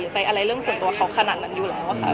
ไปอะไรเรื่องส่วนตัวเขาขนาดนั้นอยู่แล้วค่ะ